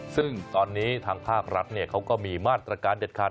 ซึ่งตอนนี้ทางภาครัฐเขาก็มีมาตรการเด็ดขาด